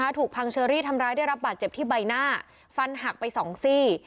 ถูกพังเชอรี่ทำร้ายได้รับบาดเจ็บที่ใบหน้าฟันหักไปสองซี่